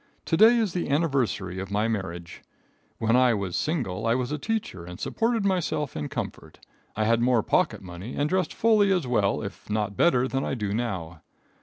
To day is the anniversary of my marriage. When I was single I was a teacher and supported myself in comfort. I had more pocket money and dressed fully as well if not better than I do now.